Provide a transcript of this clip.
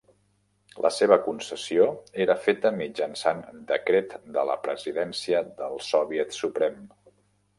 La seva concessió era feta mitjançant decret de la Presidència del Soviet Suprem.